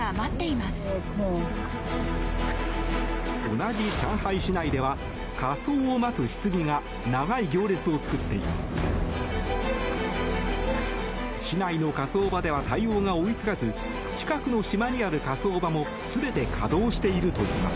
同じ上海市内では火葬を待つひつぎが長い行列を作っています。